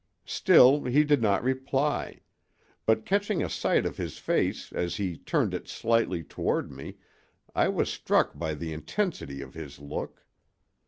"Still he did not reply; but catching a sight of his face as he turned it slightly toward me I was struck by the intensity of his look.